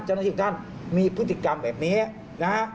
เจ้าหน้าที่ของท่านมีพฤติกรรมแบบนี้นะฮะ